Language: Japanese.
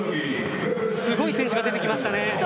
すごい選手が出てきましたね。